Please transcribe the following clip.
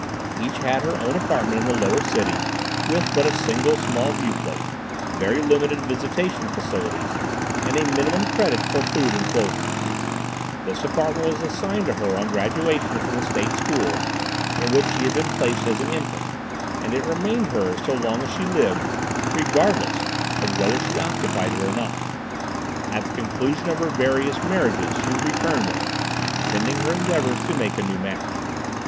Each had her own apartment in the Lower City, with but a single small viewplate, very limited "visitation" facilities, and a minimum credit for food and clothing. This apartment was assigned to her on graduation from the State School, in which she had been placed as an infant, and it remained hers so long as she lived, regardless of whether she occupied it or not. At the conclusion of her various "marriages" she would return there, pending her endeavors to make a new match.